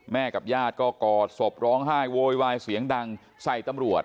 กับญาติก็กอดศพร้องไห้โวยวายเสียงดังใส่ตำรวจ